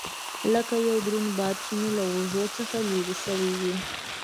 لکه يو دروند بار مې چې له اوږو څخه لرې سوى وي.